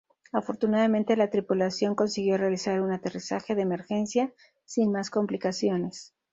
Afortunadamente la tripulación consiguió realizar un aterrizaje de emergencia sin más complicaciones.